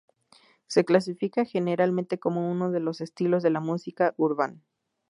Se clasifica generalmente como uno de los estilos de la música urban.